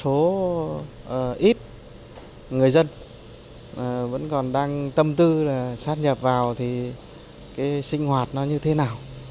tuy nhiên người dân vẫn còn đang tâm tư là sắp nhập vào thì cái sinh hoạt nó như thế nào